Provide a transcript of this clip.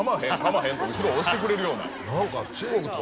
と後ろを押してくれるような。